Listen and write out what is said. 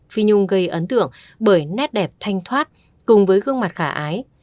phi nhung gây ấn tượng bởi nét đẹp thanh thoát cùng với gương mặt khả ái